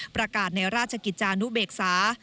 ประกาศในราชกิจจานุเบกษา